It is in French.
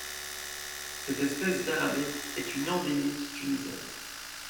Cette espèce d'arabettes est une endémique tunisienne.